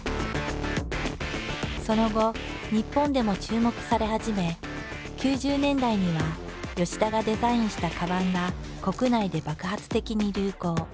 その後日本でも注目され始め９０年代には田がデザインしたカバンが国内で爆発的に流行。